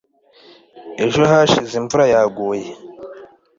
ejo hashize imvura yaguye